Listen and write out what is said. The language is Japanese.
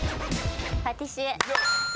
パティシエ。